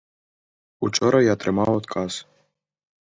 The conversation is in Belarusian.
Учора я атрымаў адказ.